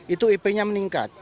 itu ip nya menunjukkan